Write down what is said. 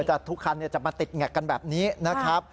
แต่ทุกคันจะมาติดแงกกันแบบนี้นะครับ